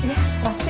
ya terima kasih